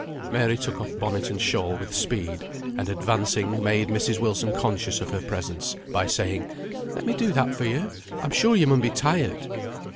Mary took off bonnet and shawl with speed, and advancing, made Mrs. Wilson conscious of her presence, by saying, "Let me do that for you. I'm sure you mun be tired."